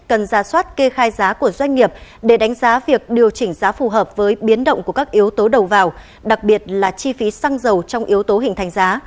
cần ra soát kê khai giá của doanh nghiệp để đánh giá việc điều chỉnh giá phù hợp với biến động của các yếu tố đầu vào đặc biệt là chi phí xăng dầu trong yếu tố hình thành giá